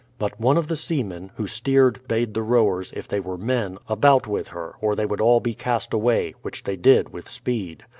But one of the seamen, who steered, bade the rowers, if they were men, about with her, or they would all be cast away; which they did with speed.